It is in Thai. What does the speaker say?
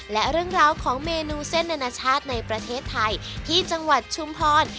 และเรื่องราวของเมนูเส้นอนาชาติในประเทศไทยที่จังหวัดชุมพร